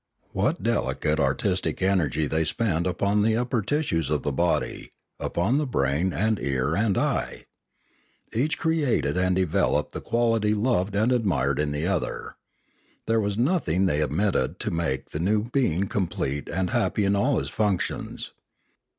What delicate artistic energy they spent upon the upper tissues of the body, upon the brain and ear and eye! Each created and developed the quality loved and admired in the other. There was nothing they omitted to make the new being complete and happy in all his functions.